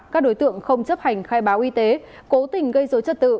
các đối tượng không chấp hành khai báo y tế cố tình gây dối trật tự